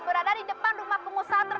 jody herlambang salah penampilnya sendiri